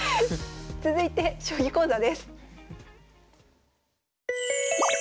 続いて将棋講座です。